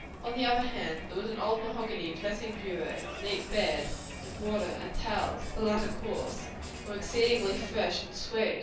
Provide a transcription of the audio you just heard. On the other hand, there was an old mahogany dressing bureau; a neat bed; and water and towels (the latter coarse) were exceedingly fresh and sweet.